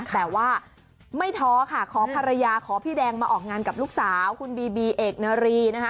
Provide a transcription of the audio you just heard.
แต่ว่าไม่ท้อค่ะขอภรรยาขอพี่แดงมาออกงานกับลูกสาวคุณบีบีเอกนารีนะคะ